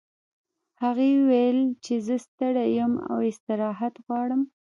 هغې وویل چې زه ستړې یم او استراحت غواړم